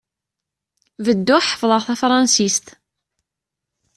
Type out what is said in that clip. Bedduɣ ḥefḍeɣ tafṛansist.